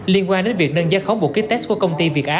liên quan đến việc nâng giá khóng bộ kích test của công ty việt á